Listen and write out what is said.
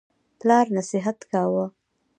پلار نصیحت کاوه.